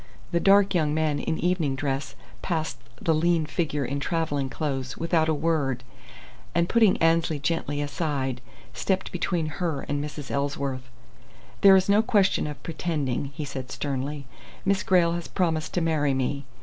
The dark young man in evening dress passed the lean figure in travelling clothes without a word and, putting Annesley gently aside, stepped between her and Mrs. Ellsworth. "There is no question of 'pretending'," he said, sternly. "Miss Grayle has promised to marry me.